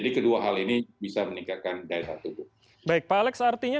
daerah tubuh baik pak alex artinya